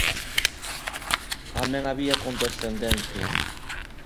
Tamén había condescendencia.